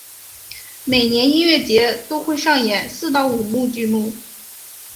每年音乐节都会上演四到五幕剧目。